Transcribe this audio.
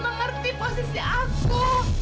mengerti posisi aku